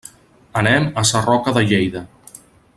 Anem a Sarroca de Lleida.